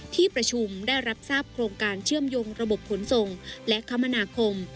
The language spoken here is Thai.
ที่ประชุมได้รับทราบโครงการเชื่อมโยงระบบขนส่งและคมนาคม